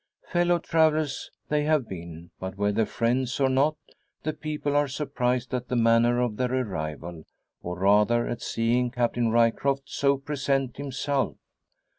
Fellow travellers they have been, but whether friends or not, the people are surprised at the manner of their arrival; or rather, at seeing Captain Ryecroft so present himself.